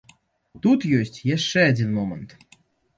Тут ёсць яшчэ адзін момант.